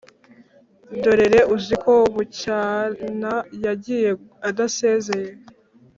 dorere uziko bucyana yagiye adasezeye